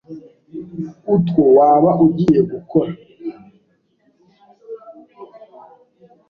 utwo waba ugiye gukora